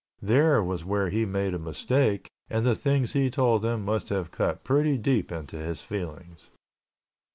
There was where he made a mistake and the things he told him must have cut pretty deep into his feelings.